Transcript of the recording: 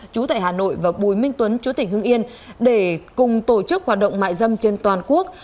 chú tại hà nội và bùi minh tuấn chú tỉnh hưng yên để cùng tổ chức hoạt động mại dâm trên toàn quốc